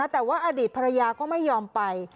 แต่ว่าอดีตภรรยาก็ไม่ยอมไป